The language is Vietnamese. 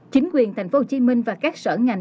chính quyền thành phố hồ chí minh và các sở ngành